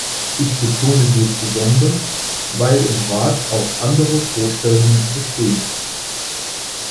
Ich betonte dies besonders, weil im Rat auch andere Vorstellungen bestehen.